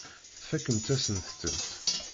Tfakemt-asent-tent.